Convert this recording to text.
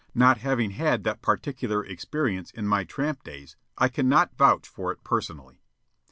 Not having had that particular experience in my tramp days I cannot vouch for it personally.